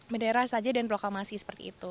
bendera saja dan proklamasi seperti itu